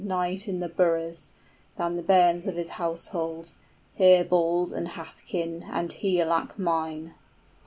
} Knight in the boroughs, than the bairns of his household, Herebald and Hæthcyn and Higelac mine.